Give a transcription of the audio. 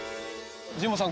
神保さん。